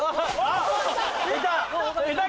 いた！